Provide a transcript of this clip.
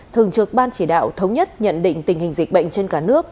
thường trực ban chỉ đạo thống nhất nhận định tình hình dịch bệnh trên cả nước